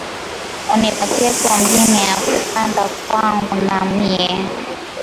Uni patieko minji yaku panda kwangu na miye